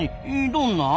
どんな？